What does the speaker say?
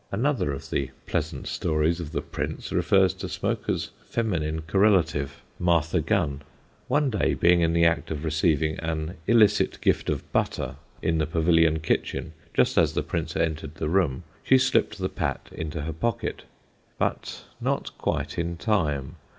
'" Another of the pleasant stories of the Prince refers to Smoaker's feminine correlative Martha Gunn. One day, being in the act of receiving an illicit gift of butter in the pavilion kitchen just as the Prince entered the room, she slipped the pat into her pocket. But not quite in time.